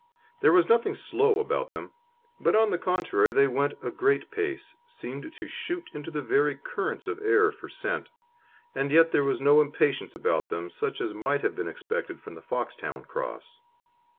There was nothing slow about them, but on the contrary they went a great pace, seemed to shoot into the very currents of air for scent, and yet there was no impatience about them such as might have been expected from the Foxhound cross.